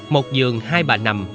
một giường hai bà nằm